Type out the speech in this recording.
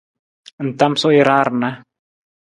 Ng tamasuu jara rana.